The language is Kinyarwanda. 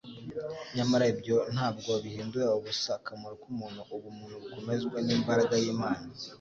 nyamara ibyo ntabwo bihindura ubusa akamaro k'umuntu Ubumuntu bukomezwa n'imbaraga y'Imana,